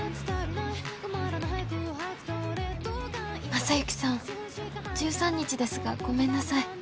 「正之さん１３日ですが、ごめんなさい。